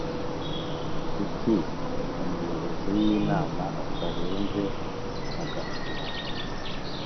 Kuki umuyobozi w’inama atareze Nyagashumba?